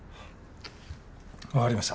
わかりました。